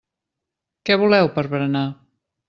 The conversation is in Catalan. Què voleu per berenar?